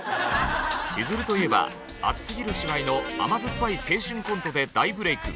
しずるといえば熱すぎる芝居の甘酸っぱい青春コントで大ブレーク。